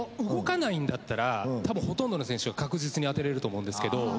動かないんだったら多分ほとんどの選手が確実に当てれると思うんですけど。